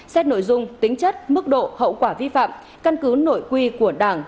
xét nội dung tính chất mức độ hậu quả vi phạm căn cứ nội quy của đảng